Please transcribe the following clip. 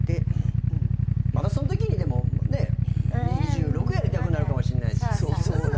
またそんときにでもね２６やりたくなるかもしれないし。